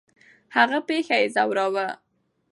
هغه پېښه یې ځوراوه.